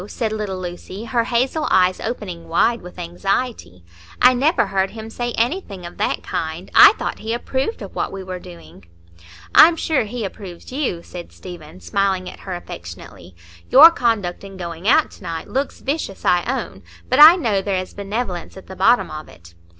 said little Lucy, her hazel eyes opening wide with anxiety. "I never heard him say anything of that kind; I thought he approved of what we were doing." "I'm sure he approves you," said Stephen, smiling at her affectionately; "your conduct in going out to night looks vicious, I own, but I know there is benevolence at the bottom of it."